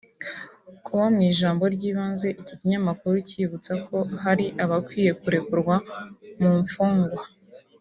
Kuba mu ijambo ry’ibanze iki kinyamakuru kibutsa ko hari abakwiye kurekurwa mu mfungwa